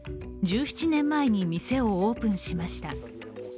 １７年前に店をオープンしました。